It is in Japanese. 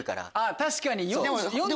確かに！